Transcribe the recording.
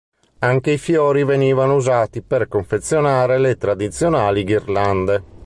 Anche i fiori venivano usati per confezionare le tradizionali ghirlande.